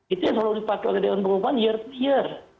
itu yang selalu dipakai oleh dewan pengumuman year year